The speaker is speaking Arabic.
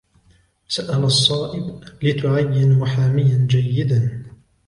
سأل الصائب: " لتُعيّن محاميًا جيّدًا ؟"